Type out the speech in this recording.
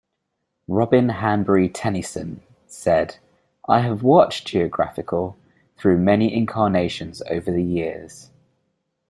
Robin Hanbury-Tenison said "I have watched "Geographical" through many incarnations over the years.